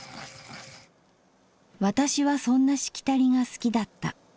「私はそんなしきたりが好きだった。